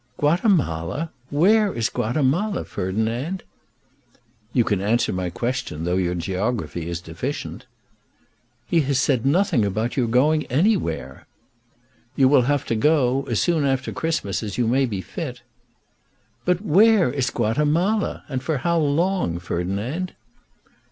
"Guatemala! Where is Guatemala, Ferdinand?" "You can answer my question though your geography is deficient." "He has said nothing about your going anywhere." "You will have to go, as soon after Christmas as you may be fit." "But where is Guatemala; and for how long, Ferdinand?"